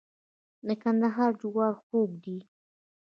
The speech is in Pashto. د کندهار جوار خوږ دي.